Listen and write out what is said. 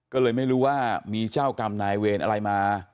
ก็เลยไม่รู้ว่ามีเจ้ากรรมนายเวรอะไรมา